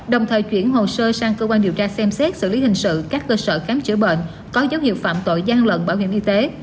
đồng thời chuyển hồ sơ sang cơ quan điều tra xem xét xử lý hình sự các cơ sở khám chữa bệnh có dấu hiệu phạm tội gian lận bảo hiểm y tế